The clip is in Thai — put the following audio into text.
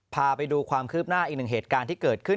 พาไปดูความคืบหน้าอีกหนึ่งเหตุการณ์ที่เกิดขึ้น